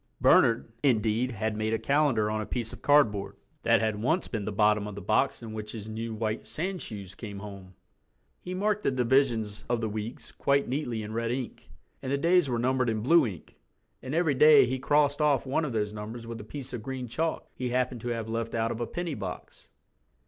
Bernard indeed had made a calendar on a piece of cardboard that had once been the bottom of the box in which his new white sandshoes came home. He marked the divisions of the weeks quite neatly in red ink, and the days were numbered in blue ink, and every day he crossed off one of those numbers with a piece of green chalk he happened to have left out of a penny box.